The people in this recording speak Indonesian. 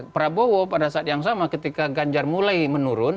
prabowo pada saat yang sama ketika ganjar mulai menurun